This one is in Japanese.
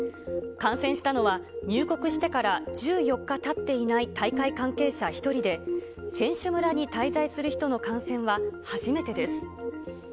感染したのは、入国してから１４日たっていない大会関係者１人で、選手村に滞在する人の感染は初めてです。